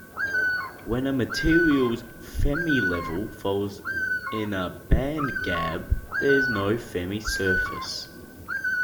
When a material's Fermi level falls in a bandgap, there is no Fermi surface.